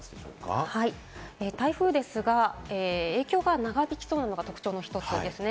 台風ですが、影響が長引きそうなのが影響の一つですね。